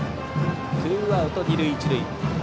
ツーアウト、二塁一塁。